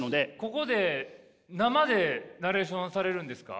ここで生でナレーションされるんですか？